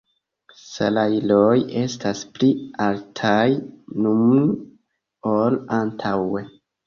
Salajroj estas pli altaj nun ol antaŭe.